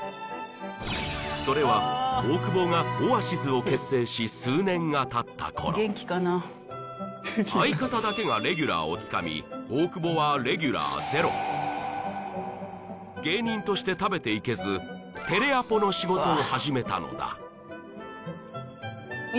それは大久保がオアシズを結成し数年がたった頃相方だけがレギュラーをつかみ大久保はレギュラーゼロ芸人として食べていけずテレアポの仕事を始めたのだ